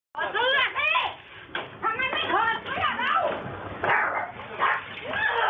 ตอดเสื้อเอ๊ะ